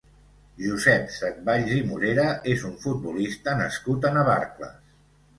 Josep Setvalls i Morera és un futbolista nascut a Navarcles.